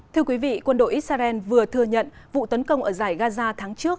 thưa quý vị quân đội israel vừa thừa nhận vụ tấn công ở giải gaza tháng trước